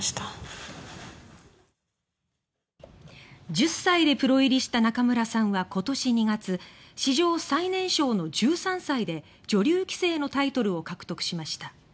１０歳でプロ入りした仲邑さんは今年２月史上最年少の１３歳で女流棋聖のタイトルを獲得しました。